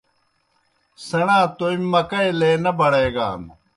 سیْݨا تومیْ مکئی لے نہ بڑیگان۔